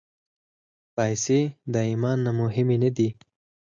پېسې د ایمان نه مهمې نه دي.